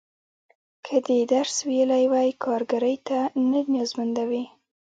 که دې درس ویلی وای، کارګرۍ ته نه نیازمنده وې.